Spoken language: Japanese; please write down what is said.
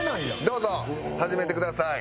どうぞ始めてください。